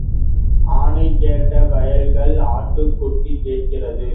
ஆனை கேட்ட வாயால் ஆட்டுக்குட்டி கேட்கிறதா?